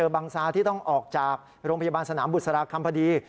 บังซาที่ต้องออกจากโรงพยาบาลสนามบุษราคำพอดี